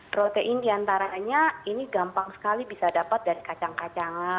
protein diantaranya ini gampang sekali bisa dapat dari kacang kacangan